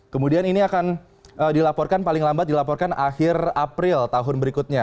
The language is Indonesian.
kemudian ini akan dilaporkan paling lambat dilaporkan akhir april tahun berikutnya